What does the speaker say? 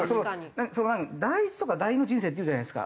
第１とか第２の人生っていうじゃないですか。